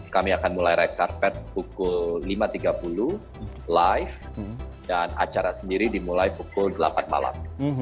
kami akan mulai ride carpet pukul lima tiga puluh live dan acara sendiri dimulai pukul delapan malam